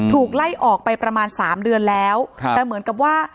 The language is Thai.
ถูกไล่ออกไปประมาณสามเดือนแล้วครับแต่เหมือนกับว่า